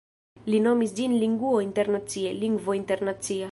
li nomis ĝin Linguo internacie, lingvo internacia.